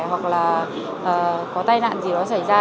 hoặc là có tai nạn gì đó xảy ra